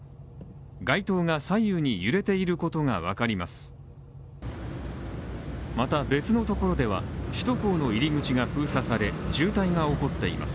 街灯が左右に揺れていることがわかります。